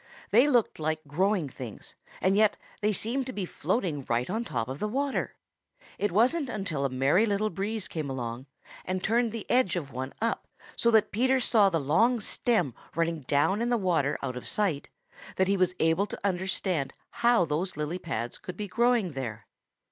They looked like growing things, and yet they seemed to be floating right on top of the water. It wasn't until a Merry Little Breeze came along and turned the edge of one up so that Peter saw the long stem running down in the water out of sight, that he was able to understand how those lily pads could be growing there.